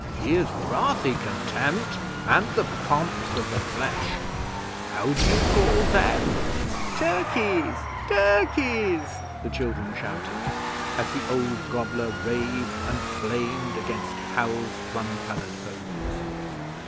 Here's wrathy contempt and the Pomps of the Flesh! How d'you call them?' 'Turkeys! Turkeys!' the children shouted, as the old gobbler raved and flamed against Hal's plum coloured hose.